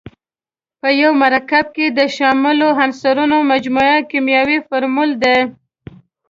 په یو مرکب کې د شاملو عنصرونو مجموعه کیمیاوي فورمول دی.